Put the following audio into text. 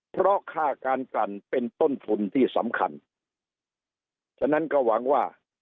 เพราะค่าการกันเป็นต้นทุนที่สำคัญฉะนั้นก็หวังว่า